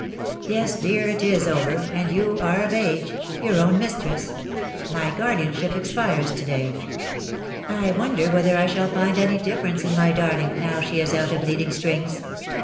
^' Yes, dear, it is over, and you are of age — your own mistress. My guardianship expires to day. I wonder whether I shall find any difference in my darling now she is out of leading strings.''